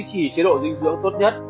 cố gắng duy trì chế độ dinh dưỡng tốt nhất